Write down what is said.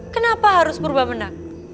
kenapa harus purba mena